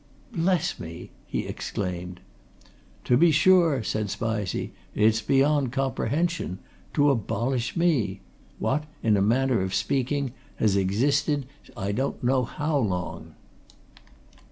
"Bless me!" he exclaimed. "To be sure!" said Spizey. "It's beyond comprehension! To abolish me! what, in a manner of speaking, has existed I don't know how long.